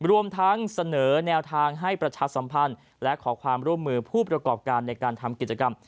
รวมทั้งเสนอแนวทางให้ประชาสัมพันธ์และขอความร่วมมือผู้ประกอบการในการทำกิจกรรม